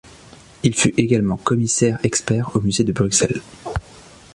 Il fut également commissaire-expert au Musée de Bruxelles.